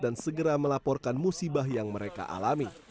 dan memaporkan musibah yang mereka alami